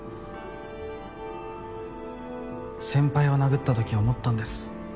先輩を殴った時思ったんです。